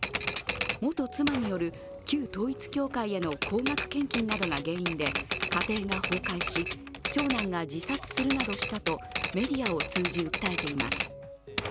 元妻による旧統一教会への高額献金などが原因で家庭が崩壊し、長男が自殺するなどしたとメディアを通じ、訴えています。